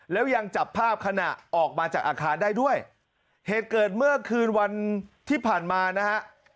แล้วยังจับภาพขณะออกมาจากอาคารได้ด้วยเหตุเกิดเมื่อคืนวันที่ผ่านมานะฮะ